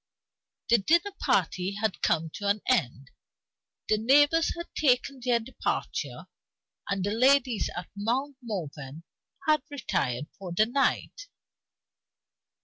The dinner party had come to an end; the neighbors had taken their departure; and the ladies at Mount Morven had retired for the night.